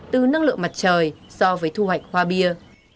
từ năng lượng mặt trời so với thu hoạch hoa bia